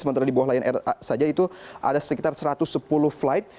sementara di bawah lion air saja itu ada sekitar satu ratus sepuluh flight